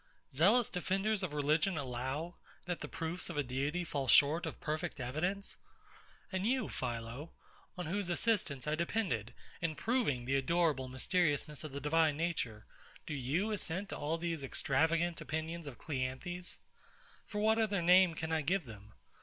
Zealous defenders of religion allow, that the proofs of a Deity fall short of perfect evidence! And you, PHILO, on whose assistance I depended in proving the adorable mysteriousness of the Divine Nature, do you assent to all these extravagant opinions of CLEANTHES? For what other name can I give them?